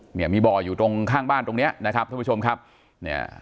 เนี่ยมีบ่ออยู่ตรงข้างบ้านตรงเนี้ยนะครับท่านผู้ชมครับเนี่ย